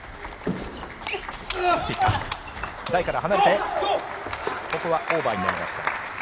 台から離れてここはオーバーになりました。